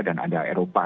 dan ada eropa